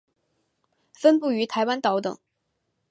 分布于台湾岛等。